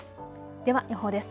では予報です。